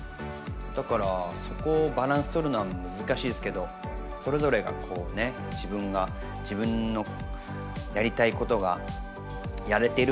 だからそこをバランスとるのは難しいですけどそれぞれがこうね自分のやりたいことがやれてる。